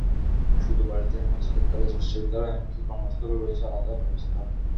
শুধু বাড়িতেই নয়, স্কুল, কলেজ, বিশ্ববিদ্যালয় এমনকি কর্মস্থলেও রয়েছে আলাদা ব্যবস্থা।